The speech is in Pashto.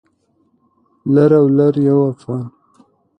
لر او لر یو افغان